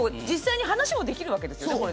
実際に話もできるわけですよね